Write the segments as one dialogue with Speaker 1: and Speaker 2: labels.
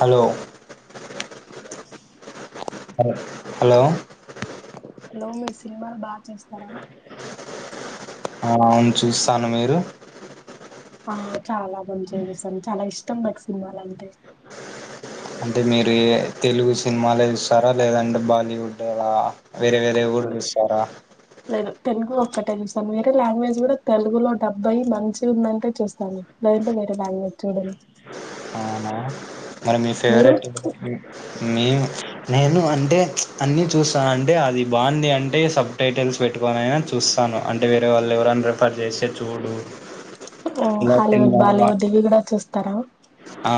Speaker 1: Hello
Speaker 2: hello
Speaker 1: హా hello
Speaker 2: hello మీరు సినిమాలు బాగా చూస్తారా
Speaker 1: అవును చూస్తాను మీరు
Speaker 2: ఆ చాలా మంచిగా చూస్తాను చాలా ఇష్టం నాకు సినిమాలంటే
Speaker 1: అంటే మీరు తెలుగు సినిమాలే చూస్తారా లేదంటే బాలీవుడ్ అలా వేరే వేరే గుడ్ చూస్తారా
Speaker 2: తెలుగు ఒక్కటే చూస్తాను వేరే లాంగ్వేజ్ కూడా తెలుగులో డబ్బైయి మంచి ఉందంటే చూస్తాను లేదంటే వేరే లాంగ్వేజ్ చూడను
Speaker 1: అవునా మరి మీ
Speaker 2: మీరు
Speaker 1: ఫేవరెట్ [unintelligible] మేము నేను అంటే అన్నీ చూస్తాను అంటే అది బాగుంది అంటే సబ్ టైటిల్స్ పెట్టుకొనిైనా చూస్తాను అంటే వేరే వాళ్ళు ఎవరైనా రిఫర్ చేస్తే చూడు
Speaker 2: ఓ
Speaker 1: ఇలా
Speaker 2: హాలీవుడ్
Speaker 1: సినిమా బా-
Speaker 2: బాలీవుడ్ ఇవి కూడా చూస్ తరా
Speaker 1: ఆ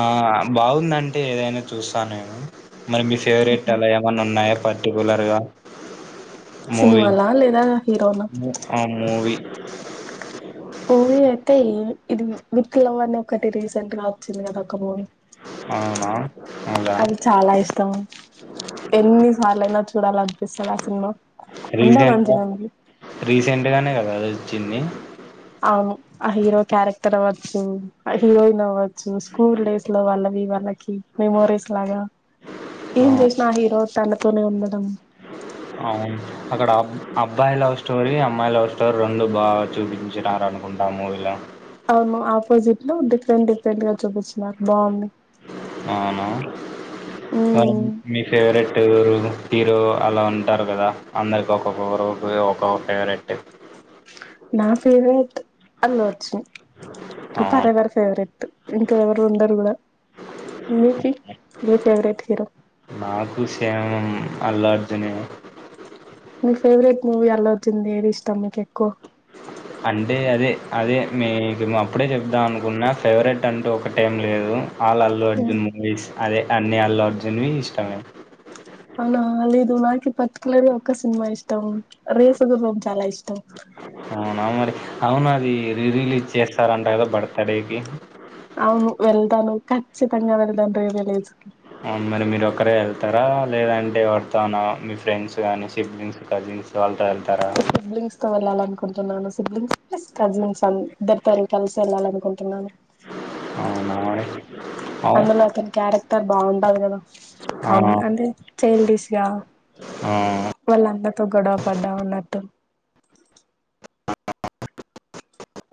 Speaker 1: బాగుందంటే ఏదైనా చూస్తా నేను మరి మీ ఫేవరెట్ అలా ఏమైన్నా ఉన్నాయా పటిపులరగా మూవి
Speaker 2: సినిమాలా లేదా హీరోనా
Speaker 1: ఆ మూవి
Speaker 2: మూవీ అయితే ఇది విత్ లవ్ అని ఒకటి రీసెంట్ గా వచ్చింది కదా ఒక మూ
Speaker 1: అవునా అవునా
Speaker 2: అది చాలా ఇష్టం ఎన్నిసార్లుైనా చూడాలి అనిపిస్తంది ఆ సినిమా ఉండా మంచిగా ఉంది
Speaker 1: [unintelligible] గానే ఆ రోజు ఇచ్చింది
Speaker 2: అవును ఆ హీరో క్యారెక్టర్ అవ్వచ్చు హీరోయిన్ అవ్ చు స్కూల్ డేస్ లో వాళ్ళ ది వాళ్ళకి మెమోరీస్ లాగా ఏం చేసిన ఆ హీరో తనతోనే ఉ [unintelligible]
Speaker 1: అవును అక్కడా అబ్బాయి లవ్ స్టోరీ అమ్మాయి లవ్ స్టోరీ రెండు బా చూపించినారు అనుకుంటా ఆ మూవీల
Speaker 2: అవును ఆపోజిట్ లో డిఫెరెంట్ డిఫెరెంట్ గా చూపించినారు బాంది
Speaker 1: ఆవ్ నా ఆమ్
Speaker 2: ఉమ్
Speaker 1: మీ ఫేవరెట్టూ మీరు అలా ఉంటారు కదా అందరికి ఒక్కొక్క గ్రూప్ ఒక్కొ ఫేవరెట్
Speaker 2: నా ఫేవరెట్ అల్లుఅర్జున్
Speaker 1: అవును.
Speaker 2: ఫరెవర్ ఫేవరెట్ ఇంక ఎవరు ఉండరు కూడా మీకి మీ ఫేవరెట్ హీరో
Speaker 1: నాకు శామ్ అల్లార్జునే
Speaker 2: మీ ఫేవరెట్ మూవీ అల్లుఅర్జున్ది ఏది ఇష్టం మీకు ఎక్కువ
Speaker 1: అంటే అదే అదే మీకు అప్పుడే చెప్దాం అనుకున్న ఫేవరెట్ అంటూ ఒకటేం లేదు ఆల్ అల్లు అర్జున్ మూవీస్ అదే అన్ని అల్లర్జున్వి ఇష్టమే
Speaker 2: అవునా లేదు నాకు పర్టికులర్గా ఒక్క సినిమా ఇష్టం రేసు గుర్రం చాలా ఇష్
Speaker 1: అవునామరి అవునది రీ రిలీజ్ చేస్తారంట కదా బర్తడే కి
Speaker 2: అవును వెళ్తాను ఖచ్చితంగా వెళ్తాను రీ రిలీజ్ కి
Speaker 1: ఆ మరి మీరు ఒకరే ఎళ్తారా లేదంటే ఎవరితో అన్నా మీ ఫ్రెండ్స్ గానీ సిబ్లింగ్స్ కజిన్స్ వాళ్లతో వెళ్త తార
Speaker 2: సిబ్లింగ్స్ వెళ్ళాలనుకుంటున్నాను సిబ్లింగ్స్ ఎస్ కజిన్స్ అందరితో ఎల్త కలసి వెళ్ళాలని కుంటున్నాను
Speaker 1: అవునా [inaudible] అవు
Speaker 2: అందులో అతని క్యారెక్ తన్ బావుండాల్ గదా
Speaker 1: ఆ!
Speaker 2: కామన్ అంటే చైల్డిష్గా
Speaker 1: ఆ!
Speaker 2: వాళ్ళందరితో గొడవ పడ్డా ఉన్నట్టు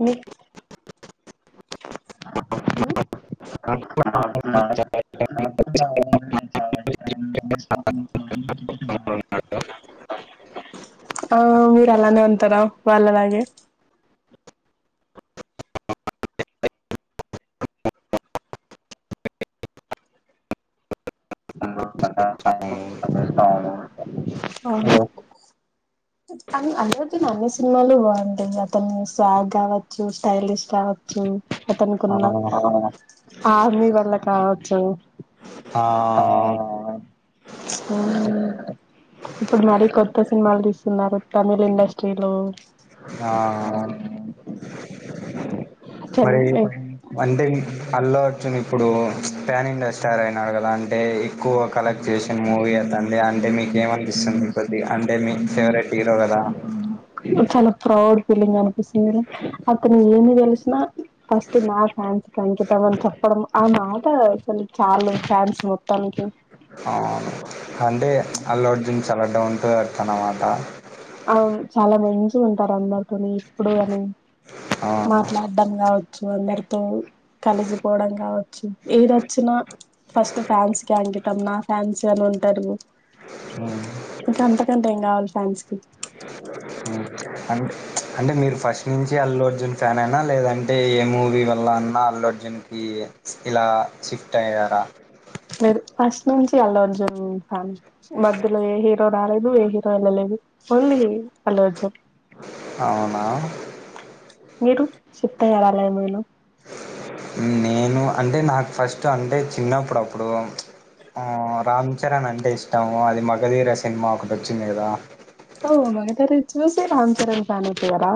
Speaker 2: మీక్ హ్మ్ చాల [unintelligible] ఆ మీరు అలానే ఉంతారా వాళ్ళలాగే [unintelligible] ఆహా
Speaker 1: హలో.
Speaker 2: అంటే అన్నేస్సరి అతన్ని స్వాగ్ కావచ్చు స్టైలిష్ కావచ్చు
Speaker 1: ఆ!
Speaker 2: అతనుకున్న హా ఆర్మీ వల్ల కావచ్చు
Speaker 1: ఆ
Speaker 2: ఆ ఇప్పుడు మరీ కొత్త సినిమాలు తీస్తున్నారు తమిళ్ ఇండస్ట్రీలో ఆ
Speaker 1: మరి అంటే అల్లు అర్జున్ ఇప్పుడు పాన్ ఇండియా స్టార్ అయినాడు కదా అంటే ఎక్కువ కలెక్ట్ చేస్ తన్ మూవీ అతన్ది అంటే మీకేమన్పిస్తుంది కొద్ది అంటే మీ ఫేవరెట్ హీరో కదా
Speaker 2: చాలా ప్రౌడ్ ఫీలింగ్ అనిపిస్తుంది అతను ఏమి తెలిసినా ఫస్ట్ నా ఫ్యాన్స్ అంకితం అని చెప్పడం ఆ మాట అసలు చాలు ఫ్యాన్స్ మొత్తానికి
Speaker 1: అవును అంటే అల్లు అర్జున్ చాలా డౌన్ టూ అ అనమాట
Speaker 2: ఆ చాలా మంచిగా ఉంటారు అందరితోని ఎప్పుడు అని
Speaker 1: అవును
Speaker 2: మాట్లాడడం కావ అందరితో కలిసిపోవడం కావచ్చు ఏదొచ్చినా ఫస్ట్ ఫ్యాన్స్ కి అంకితం నా ఫ్యాన్స్ అని ఉంటారు
Speaker 1: హ్మ్
Speaker 2: ఇంకా అంతకంటే ఏం కావాలి ఫ్యాన్స్ కి
Speaker 1: హ్మ్ అంటే అంటే మీరు ఫస్ట్ నుంచి అల్లు అర్జున్ ఫ్యాన్ అయినా లేదంటే ఏ మూవీ వల్ల అన్నా అల్లు అర్జున్ కి ఇలా షిఫ్ట్ అయ్యారా
Speaker 2: లేదు ఫస్ట్ నుంచి అల్లు అర్జున్ ఫ్యాన్ మధ్యలో ఏ హీరో రాలేదు ఏ హీరో వెళ్ళలేదు ఓన్లీ అల్లు అర్జున్
Speaker 1: అవునా
Speaker 2: మీరు షిఫ్ట్ అయ్యారా అలా ఏమైనా
Speaker 1: నేను అంటే నాకు ఫస్ట్ అంటే చిన్నప్పుడు అప్పుడు రామ్ చరణ్ అంటే ఇష్టము అది మగధీర సినిమా ఒకటి వచ్చింది కదా
Speaker 2: ఓ మగధీరను చూసే రామ్ చరణ్ ఫ్యాన్ అయిపోయారా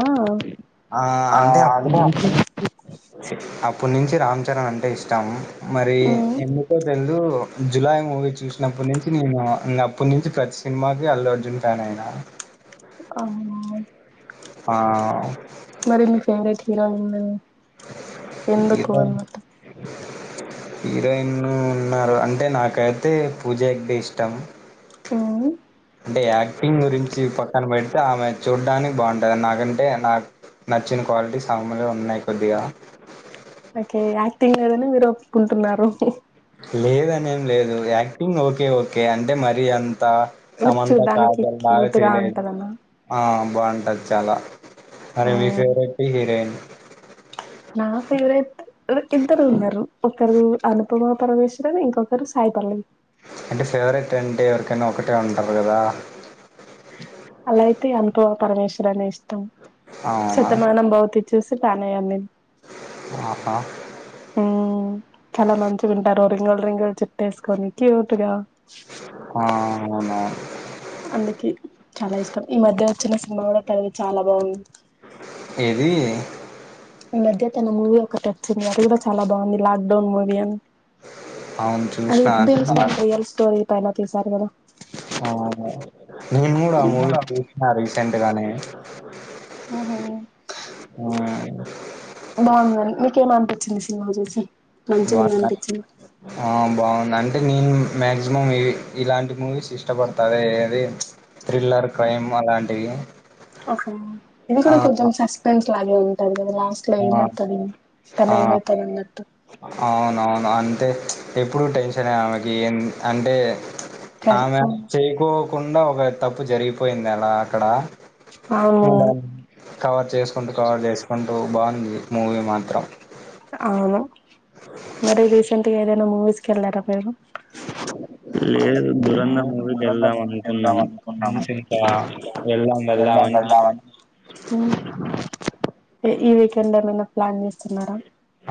Speaker 1: ఆ అంటే అప్పటి నుంచి అప్పుడు నుంచి రామ్ చరణ్ అంటే ఇష్టం మరి
Speaker 2: మ్మ్.
Speaker 1: ఎందుకో తెలిదు దు జులై మూవీ చూసినప్పటి నుంచి నేను అప్పటి నుంచి ప్రతి సినిమాకి అల్లు అర్జున్ ఫ్యాన్ అయినా
Speaker 2: అవున
Speaker 1: ఆ
Speaker 2: మరి మీ ఫేవరెట్ హీరోయిన్ ఎందుకు
Speaker 1: హీరోయిన్
Speaker 2: అన్నట్టు
Speaker 1: హీరోయిన్ ఉన్నారు అంటే నాకైతే పూజహెగ్డే ఇష్టం
Speaker 2: ఊ
Speaker 1: అంటే యాక్టింగ్ గురించి పక్కన పెడితే ఆమె చూడ్డానికి బాగుంటుంది నాకంటే నాకు నచ్చిన క్వాలిటీస్ ఆమెలో ఉన్నాయి కొద్దిగా
Speaker 2: ఓకే యాక్టింగ్ లేదని మీరు ఒప్పుకుంటున్నారు
Speaker 1: లేదనేం లేదు యాక్టింగ్ ఓకే ఓకే అంటే మరి అం త సమంత
Speaker 2: చూడ్డానికి
Speaker 1: కాజల్ లాగా
Speaker 2: క్యూట్ గా
Speaker 1: చేయలేదు
Speaker 2: ఉంటదనా
Speaker 1: ఆ బాగుంటది చాలా అరే మీ ఫెవరెట్ హీరోయిన్
Speaker 2: నా ఫేవరెట్ ఇద్దరు ఉన్నారు ఒకరు అనుపమా పరమేశ్వరన్ ఇంకొకరు సాయిపల్లవి
Speaker 1: అంటే ఫేవరెట్ అంటే ఎవరికైనా ఒకటే ఉంటారు కదా
Speaker 2: అలా అయితే అనుపమా పరమేశ్వరానే ఇష్టం
Speaker 1: అవునా
Speaker 2: శతమానంబవతి చూసి తనే అన్నీ
Speaker 1: ఆహా
Speaker 2: ఊ చాలా మంచిగుంటారు రింగుల రింగుల్ జుట్టేసుకొని క్యూట్ గా
Speaker 1: ఆ అవునా
Speaker 2: అందుకే చాలా ఇష్టం ఈ మధ్య వచ్చిన సినిమా కూడా తనది చాలా బాగుంది
Speaker 1: ఏది
Speaker 2: ఈ మధ్య తన మూవీ ఒకటి వచ్చింది అది కూడా చాలా బాగుంది లాక్ డౌన్ మూవీ అని
Speaker 1: అవును
Speaker 2: అది
Speaker 1: చూసిన
Speaker 2: బేస్ట్ ఆన్ రియల్ స్టోరీ పన తి సారి గదా
Speaker 1: అవును నేను కూడా ఆ మూవీ చూసిన రీసెంట్ గానే
Speaker 2: ఉహు
Speaker 1: ఆ
Speaker 2: కే మన్పిచ్చింది సిన్మా జూసి
Speaker 1: బాగున్నా ఆ బాగుందం అంటే నేను మాక్సిమం ఇ ఇలాంటి మూవీస్ ఇష్టపడుతుంది ఆ అది థ్రిల్లర్ క్రైమ్ అలాం దయ్యం
Speaker 2: ఓకే ఇది కూడా కొంచెం సస్పెన్స్ లాగే ఉంది అ లాస్ట్ లో
Speaker 1: ఆ!
Speaker 2: ఏమవుతది తన
Speaker 1: ఆ!
Speaker 2: ఏమయితది అన్నట్టు
Speaker 1: టే ఎప్పుడు టెన్షన్ ఏ ఆమెకి ఎ అంటే
Speaker 2: ప్రెస్
Speaker 1: ఆమె చేకో కుండా ఒక తప్పు జరిగిపోయింది అలా అక్కడ
Speaker 2: అవును
Speaker 1: కవర్ చేసుకుంటూ కవర్ చేసుకుం డో బాగుంది మూవీ మాత్రం
Speaker 2: అవును మరి రీసెంట్గా ఏదైనా మూవీస్కి వెళ్ళారా పేరు
Speaker 1: లేదు దూరంధర్ మూవీకి వెళ్దాం అనుకున్నాము ఫ్రెండ్స్ ఇంకా వెళ్దాం వెళ్దామని
Speaker 2: ఈ వీకెండ్ ఏమైనా ప్లాన్ చేస్తున్నారా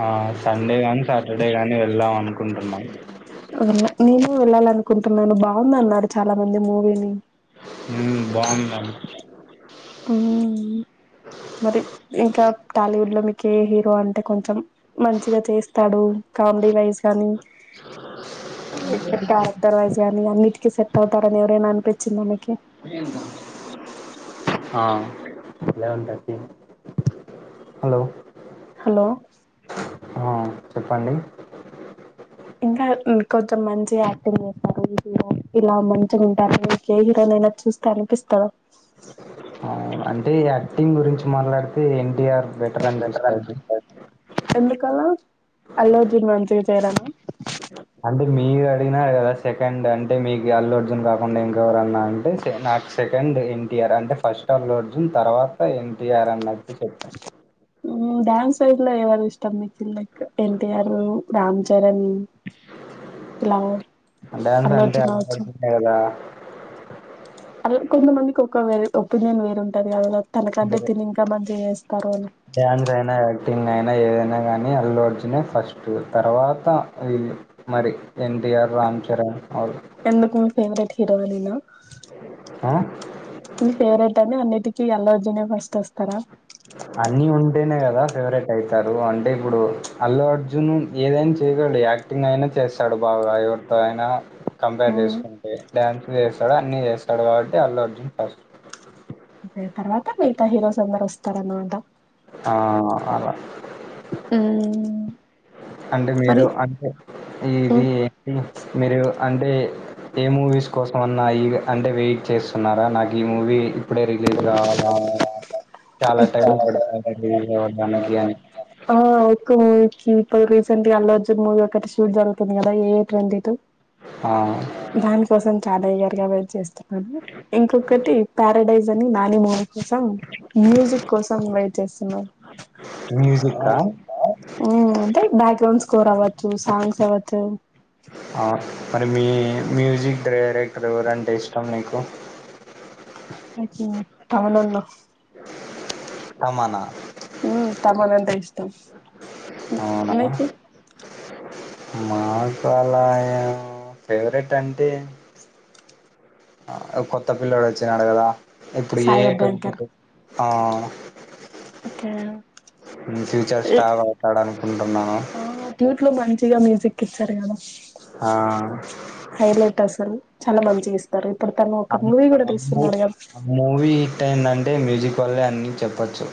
Speaker 1: ఆ సండే గాని సాటర్డే గాని వెళ్దాం అనుకుంటున్నాం
Speaker 2: అన్న నను వెళ్ళాలనుకుంటున్నాను బాగుంద అన్నారు చాలా మంది మూవీని
Speaker 1: ఉ బాగుందడి
Speaker 2: ఉమ్ మరి ఇంకా టాలీవుడ్ లో మీకు ఏ హీరో అంటే కొంచెం మంచిగా చేస్తాడు కామెడీ వైజ్ కానీ ఇట్టర్ క్యారెక్టర్ వైజ్ గాని కి సెట్ అవుతారని అనిపించింద మీకి
Speaker 1: ఆ లేవన్ థర్టీ హలో
Speaker 2: హలో
Speaker 1: ఆచెప్పండి
Speaker 2: ఇంకా కొంచెం మంచి యాక్టింగ్ చేస్తారు హీరో ఇలా మంచిగా ఉంటారు మీకు ఏ హీరోన్ అయినా చూస్తే అనిపిస్తుంది
Speaker 1: వు అంటే యాక్టింగ్ గురించి మాట్లాడితే ఎన్టీఆర్ బెటర్ అనిపిస్తది
Speaker 2: ఎందుకాల అల్లజున్ మంచిగా చేయరా
Speaker 1: అంటే మీరు అడిగినారు కదా సెకండ్ అంటే మీకు అల్లు అర్జున్ కాకుండా ఏంకెవరన్నా అంటే నాకు సెకండ్ ఎన్టీఆర్ అంటే ఫస్ట్ అల్లు అర్జున్ తర్వాత ఎన్టీఆర్ అన్నట్టు చెప్పా
Speaker 2: అవుట్ సైడ్ లో ఎవరు ఇష్టం మీకు లైక్ ఎన్టీఆర్ రామ్ చరణ్ ఇలా
Speaker 1: డ్యాన్స్
Speaker 2: అల్లు
Speaker 1: అంటే అ
Speaker 2: అర్జున్ అవచ్చు
Speaker 1: పడుతున్నాయి కదా
Speaker 2: అ కొంతమందికి ఒక వేరు ఒపీనియన్ వేరే ఉంటది కదా తనకంటే తిను ఇంకా మంచిగా చేస్తారని
Speaker 1: టింగ్ అయినా ఏదైనా కానీ అల్లు అర్జునే ఫస్ట్ తర్వాత వీళ్ళు మరి ఎన్టీఆర్ రామ్ చరణ్ వాళ్ళు
Speaker 2: ఎందుకు ఫేవరెట్ హీరో అనా
Speaker 1: ఆ?
Speaker 2: మీ ఫేవరెట్ అని అన్నిటి ఇగా అల్లు అర్జున్ ఫస్ట్ వస్తారా
Speaker 1: అన్నీ ఉంటేనే కదా ఫేవరెట్ అయితారు అంటే ఇప్పుడు అల్లు అర్జున్ ఏదైనా చెయ్యగలడు యాక్టింగ్ అయినా చేస్తాడు బాగా ఎవరితో అయినా కంపేర్ చేసుకుంటే డ్యాన్స్ చేస్తాడు అన్న చేస్తాడు కాబట్టి అల్లు అర్జున్ ఫస్ట్
Speaker 2: తర్వాత మిగతా హీరోస్ అందరు వస్తారనమాట
Speaker 1: ఆ అలా
Speaker 2: ఉమ్మ్
Speaker 1: అంటే మీరు అంటే ఈ ఇది ఏంటి మీరు అంటే ఏ మూవీస్ కోసం అన్నా ఈ అంటే వెయిట్ చేస్తున్నారా నాకు ఈ మూవీ ఇప్పుడే రిలీజ్ కావాలా అన్నాటు చాలా టైం
Speaker 2: ఎక్కువ
Speaker 1: పడతా [unintelligible] నార్మల్గా
Speaker 2: ఒఎక్కువ [unintelligible] ఇప్పుడు రీసెంట్ గా అల్లు అర్జున్ మూవీ ఒకటి షూట్ జరుగుతుంది కదా మే ట్వంటీ టూ.
Speaker 1: ఆ!
Speaker 2: దానికోసం చాలా ఈగర్గా వెయిట్ చేస్తు ఇంకొకటి ప. ప్రొడ్యూసర్ నానిన కోసం మ్యూజిక్ కోసం వైట్ చేస్తున్నాం.
Speaker 1: మ్యూజిక్కా?
Speaker 2: ఉమ్ అంటే బా. ట్యూన్ స్కోర్ అవొచ్చు సాంగ్స్ అవొచ్చు.
Speaker 1: ఆ మరి మీ మ్యూజిక్ డైరెక్టర్ ఎవరంటే ఇష్టం మీకు.
Speaker 2: ఉహు. తమన్ అన్న
Speaker 1: తమన.
Speaker 2: ఉ తమానంటె ఇష్ట. టమ్
Speaker 1: అవునా?
Speaker 2: మీకు.
Speaker 1: మాకు అలా ఫేవరెట్ అంటే. ఆ కొత్త పిల్లడు వచ్చినాడు కదా. ఇప్పుడు ఏ
Speaker 2: సాయి అభ్యంకర్
Speaker 1: [unintelligible] ఆ.
Speaker 2: ఓకే
Speaker 1: ఫ్యూచర్ స్టార్ అవుతాడు అనుకుంటున్నావా
Speaker 2: ఇగ మ్యూజిక్ కి ఇత్తార మేడం
Speaker 1: ఆ.
Speaker 2: అసలు చాలా మంచివి ఇస్తారు. ఇప్పుడు తను
Speaker 1: ఆ
Speaker 2: ఒక మూవీ కూడా తీస్తున్నాడుగా
Speaker 1: ఇంకా ఎంటాంటే మ్యూజిక్ వల్లే అన్నీ చెప్పచ్చు.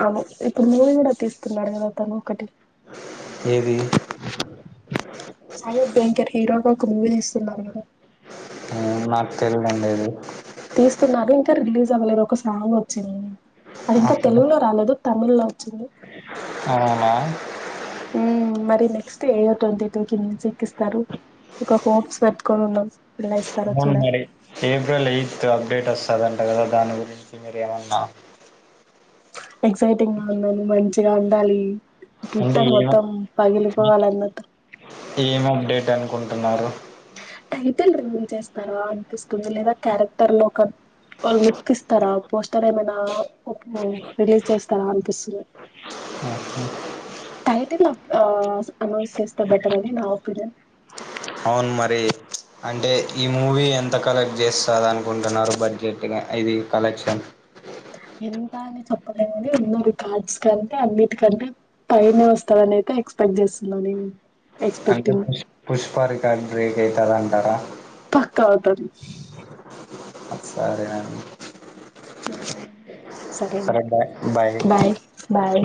Speaker 2: అవును ఇప్పుడు మూవీ కూడా తీస్తున్నారు కద తాను ఒకటి.
Speaker 1: ఏది
Speaker 2: సాయి అభ్యంకర్ హీరోగా. ఒక మూవీ తీస్తున్నారు కదా.
Speaker 1: మ్మ్ నాక్ తెలిదండి అది.
Speaker 2: తీస్తున్నారు ఇంకా రిలీజ్ అవ్వలేదు ఒక సాంగ్ వచ్చింది అది ఇంకా తెలుగులో రాలేదు. తమిళ్లో.
Speaker 1: అవునా.
Speaker 2: మ్మ్ మరి నెక్స్ట్ ఏయో ట్వంటీ టూ కి మ్యూజిక్ ఇస్తారు ఒక హోప్స్ పెట్టుకొని ఉండాలి
Speaker 1: అవున్ మరి ఏప్రిల్ ఎయిత్ అ. అప్డేట్ వస్తుందంట కదా దాని గురించి మీరు ఏమన్నా
Speaker 2: ఎక్సైటింగ్ గా ఉన్నాను మంచిగా ఉండాలి
Speaker 1: అంటే
Speaker 2: ట్విట్టర్
Speaker 1: ఏమ
Speaker 2: మొత్తం పగిలి పోవాలన్నటు
Speaker 1: కొంటున్నారు
Speaker 2: టైటిల్ రివిల్ చేస్తారా అనిపిస్తుంది లేదా క్యారెక్టర్ లో ఒక లుక్ ఇస్తారా పోస్టర్ ఏమైనా ప్పు [unintelligible] రిలీజ్ చేస్తారా అనిపిస్తుంది
Speaker 1: హ
Speaker 2: టైటిల్ ఆ అనౌన్స్ చేస్తే బెటర్ అని నా ఒపీనియన్
Speaker 1: అవును మరి అంటే ఈ మూవీ ఎంత కలెక్ట్ చేస్తాది అనుకుంటున్నారు బడ్జెట్గా ఇది కలెక్షన్
Speaker 2: ఎంత అని చెప్పలే కాని ఉన్నారు కార్డ్స్ కంటే అన్నిటికంటే పైనే వస్తాందిని అయితే ఎక్సైపెక్ట్ చేస్తున్నా నేను
Speaker 1: అంత
Speaker 2: ఎక్స్పెక్టింగ్
Speaker 1: పుష్ పుష్పా రిటన్దే ఏ కాదంటారా
Speaker 2: పక్క అవుతాది
Speaker 1: సరే అండి
Speaker 2: హ సరే బాయ్ బాయ్